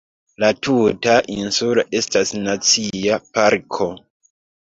La tuta insulo estas nacia parko.